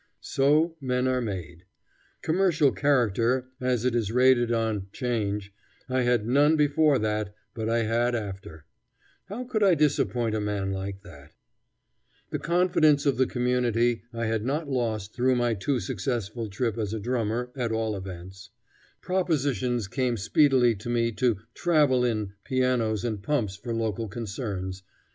So men are made. Commercial character, as it is rated on 'change, I had none before that; but I had after. How could I disappoint a man like that? [Illustration: "I went to hear Horace Greeley address an open air meeting."] The confidence of the community I had not lost through my too successful trip as a drummer, at all events. Propositions came speedily to me to "travel in" pianos and pumps for local concerns.